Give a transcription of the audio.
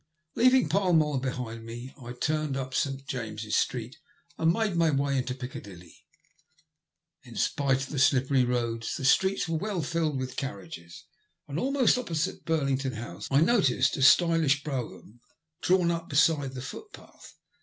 Leaving Fall Mall behind me, I turned up St. James's Street and made my way into Ficcadilly. Li spite of the slippery roads, the streets were well filled with carriages, and almost opposite Burlington House I noticed a stylish brougham drawn up beside the footpath.